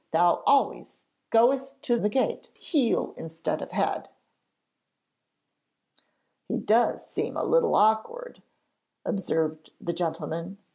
thou always goest to the gate heel instead of the head.' 'He does seem a little awkward,' observed the gentleman.